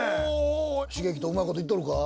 茂樹とうまいこといっとるか？